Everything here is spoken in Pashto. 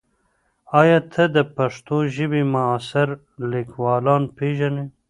ایا ته د پښتو ژبې معاصر لیکوالان پېژنې؟